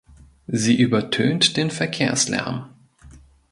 Sie übertönt den Verkehrslärm.